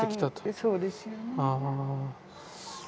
そうですよね。